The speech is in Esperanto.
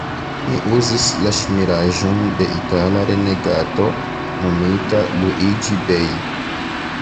Mi uzis la ŝmiraĵon de Itala renegato, nomita Luiĝi-Bej'.